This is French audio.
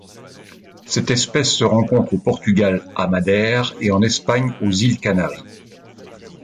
Cette espèce se rencontre au Portugal à Madère et en Espagne aux îles Canaries.